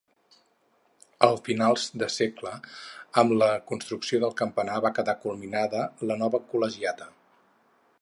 A finals de segle, amb la construcció del campanar va quedar culminada la nova col·legiata.